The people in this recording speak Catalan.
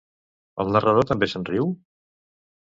El narrador també se'n riu?